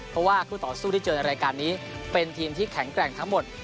เพราะว่าคู่ต่อสู้ที่เจอในรายการนี้เป็นทีมที่แข็งแกร่งทั้งหมด